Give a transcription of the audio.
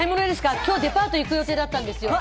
今日デパート行く予定だったんですよ！